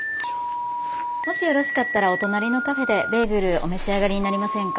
もしよろしかったらお隣のカフェでベーグルお召し上がりになりませんか？